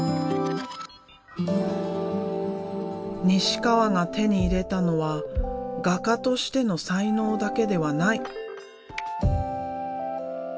西川が手に入れたのは画家としての才能だけではない。